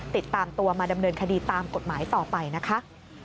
ติดตามตัวมาดำเนินคดีตามกฎหมายต่อไปนะคะ